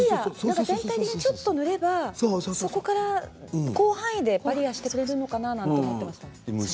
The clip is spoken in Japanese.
ちょっと塗ればそこから広範囲でバリアーしてくれるものだと思っていました。